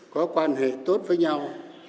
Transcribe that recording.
có quan hệ tốt với nhau